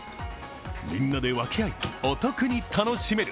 みんなで分け合いお得に楽しめる。